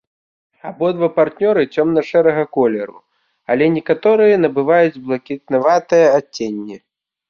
Абодва партнёры цёмна-шэрага колеру, але некаторыя набываюць блакітнаватае адценне.